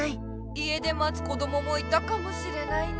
家でまつ子どももいたかもしれないね。